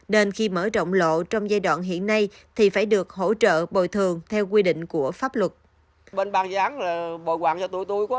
nên khi mở rộng lộ trong giai đoạn hiện nay thì phải được hỗ trợ bồi thường theo quy định của pháp luật